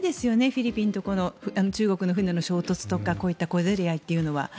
フィリピンと中国の船の衝突とかこういった小競り合いというのは。